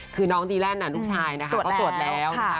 คือน้องดีแล่นอะลูกชายนะคะก็ตรวจแล้วค่ะ